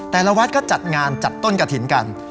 แต่ละวัดก็จัดงานจัดต้นกะถิ่นกัน